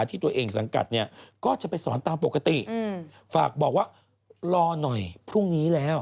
ที่ตัวเองสังกัดเนี่ยก็จะไปสอน